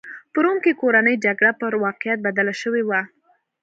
په روم کې کورنۍ جګړه پر واقعیت بدله شوې وه.